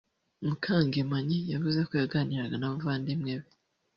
Mukangemanyi yavuze ko yaganiraga n’abavandimwe be